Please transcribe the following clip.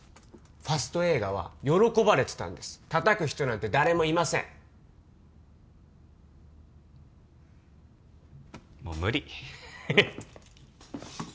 ファスト映画は喜ばれてたんです叩く人なんて誰もいませんもう無理ヘヘ